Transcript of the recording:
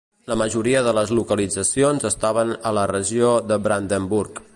La majoria de les localitzacions estaven a la regió de Brandenburg.